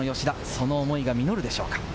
その思いが実るでしょうか？